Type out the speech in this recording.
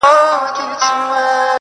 ستا له پوره به مي کور کله خلاصېږي،